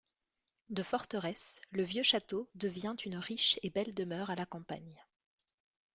De forteresse, le vieux château devient une riche et belle demeure à la campagne.